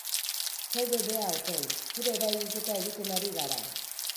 Zaude beha, otoi. Zure eragiketa egiten ari gara.